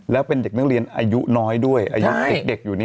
แล้วเป็นเด็กนักเรียนอายุน้อยด้วยอายุเด็กอยู่